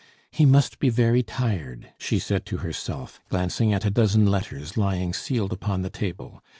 "He must be very tired," she said to herself, glancing at a dozen letters lying sealed upon the table.